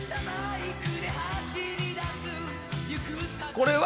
これは。